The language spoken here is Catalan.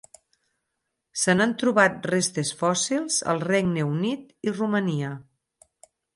Se n'han trobat restes fòssils al Regne Unit i Romania.